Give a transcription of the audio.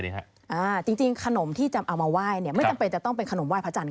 เอามาไหว้ไม่จำเป็นจะต้องเป็นขนมไหว้พระจันทร์